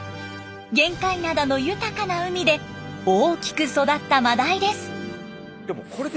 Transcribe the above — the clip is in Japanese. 玄界灘の豊かな海で大きく育ったマダイです。